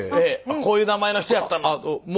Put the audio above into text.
あこういう名前の人やったの。